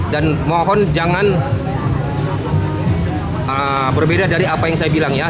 dan mohon jangan berbeda dari apa yang saya bilang ya